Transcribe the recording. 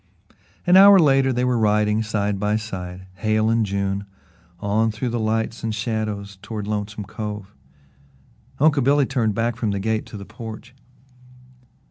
An hour later they were riding side by side Hale and June on through the lights and shadows toward Lonesome Cove. Uncle Billy turned back from the gate to the porch.